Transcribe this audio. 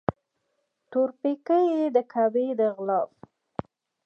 تور پیکی یې د کعبې د غلاف